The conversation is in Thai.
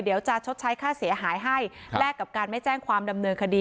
ชดใช้ค่าเสียหายให้แลกกับการไม่แจ้งความดำเนินคดี